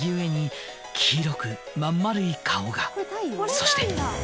そして。